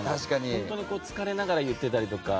本当に疲れながら言っていたりとか。